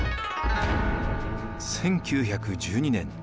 １９１２年。